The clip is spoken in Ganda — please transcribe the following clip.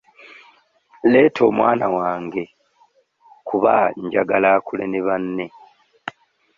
Leeta omwana wange kuba njagala akule ne banne.